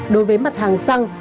đối với mặt hàng xăng